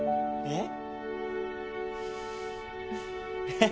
えっ？